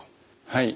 はい。